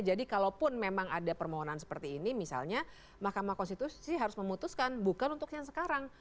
jadi kalau pun memang ada permohonan seperti ini misalnya mahkamah konstitusi harus memutuskan bukan untuk yang sekarang